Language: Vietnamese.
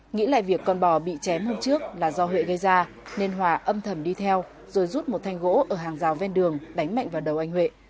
nghĩ lại việc con bò bị chém hôm trước là do huệ gây ra nên hòa âm thầm đi theo rồi rút một thanh gỗ ở hàng rào ven đường đánh mạnh vào đầu anh huệ